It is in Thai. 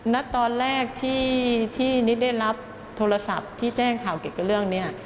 ณตอนแรกที่นิดได้รับโทรศัพท์ที่แจ้งข่าวเกี่ยวกับเรื่องนี้